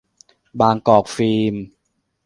บางกอกฟิล์ม